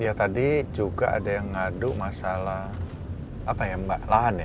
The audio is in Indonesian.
iya tadi juga ada yang ngadu masalah apa ya mbak lahan ya